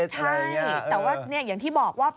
ใช่แต่ว่าอย่างที่บอกว่า